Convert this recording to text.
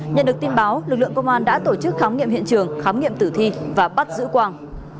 nhận được tin báo lực lượng công an đã tổ chức khám nghiệm hiện trường khám nghiệm tử thi và bắt giữ quang